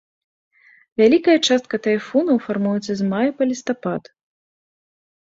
Вялікая частка тайфунаў фармуецца з мая па лістапад.